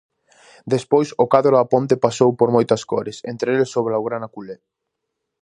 Despois o cadro da ponte pasou por moitas cores, entre eles o blaugrana culé.